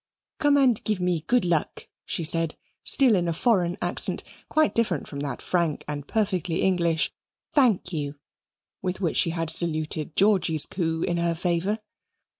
"Come and give me good luck," she said, still in a foreign accent, quite different from that frank and perfectly English "Thank you," with which she had saluted Georgy's coup in her favour.